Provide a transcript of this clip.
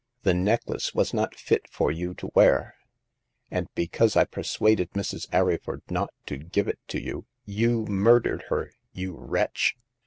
"The necklace was not fit for you to wear. And because I persuaded Mrs. Arryford not to give it to you, you murdered her, you wretch